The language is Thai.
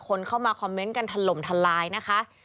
คนเข้ามาคอมเมนต์กันถล่มทลายนะคะ